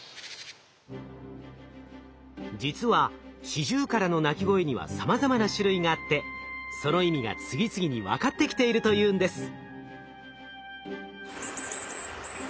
実はシジュウカラの鳴き声にはさまざまな種類があってその意味が次々に分かってきているというんです。